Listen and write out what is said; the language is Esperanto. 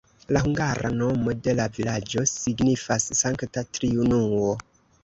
La hungara nomo de la vilaĝo signifas Sankta Triunuo.